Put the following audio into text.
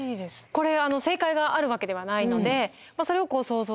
これ正解があるわけではないのでそれを想像する。